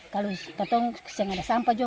kalau kata kata tidak ada sampah juga